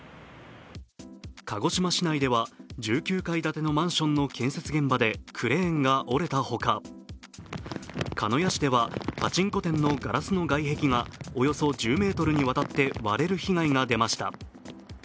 鹿児島市内では１９階建てのマンションの建設現場でクレーンが折れたほか、鹿屋市ではパチンコ店のガラスの外壁がおよそ１０ｍにわたって割れる被害が出ました。